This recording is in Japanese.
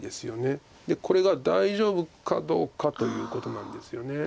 これが大丈夫かどうかということなんですよね。